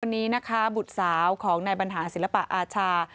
วันนี้นะคะบุตรสาวของนายบรรหารศิลปะอาชา